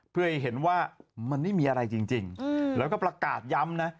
เพื่อให้เห็นว่ามันไม่มีอะไรจริงแล้วก็ประกาศย้ำนะ